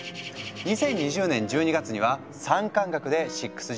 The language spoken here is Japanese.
２０２０年１２月には産官学で６Ｇ推進の団体を設立。